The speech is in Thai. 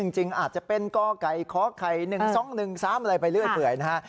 จริงอาจจะเป็นกไก่คไข่๑๒๑๓อะไรไปเรื่อยนะฮะ